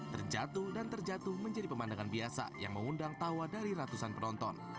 terjatuh dan terjatuh menjadi pemandangan biasa yang mengundang tawa dari ratusan penonton